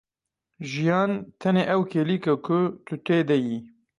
Jiyan, tenê ew kêlîk e ku tu tê de yî.